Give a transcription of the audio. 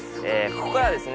ここからですね